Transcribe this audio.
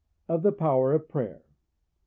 Of the Power of Prayer.